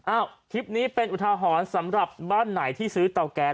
คลิปนี้เป็นอุทาหรณ์สำหรับบ้านไหนที่ซื้อเตาแก๊